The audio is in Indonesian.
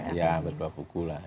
iya berdua buku lah